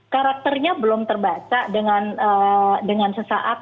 karakternya belum terbaca dengan sesaat